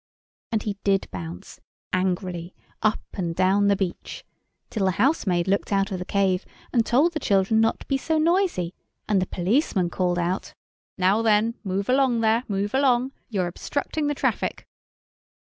'" And he did bounce, angrily, up and down the beach till the housemaid looked out of the cave and told the children not to be so noisy, and the policeman called out— "Now then, move along there, move along. You're obstructing of the traffic."